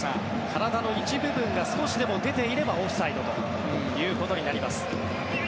体の一部分が少しでも出ていればオフサイドということになります。